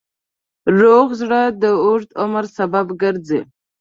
روغ زړه د اوږد عمر سبب ګرځي.